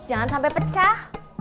jangan sampai pecah